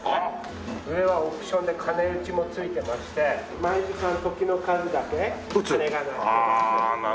上はオプションで鐘打ちもついてまして毎時間時の数だけ鐘が鳴って。